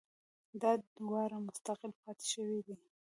دا دواړه مستقل پاتې شوي دي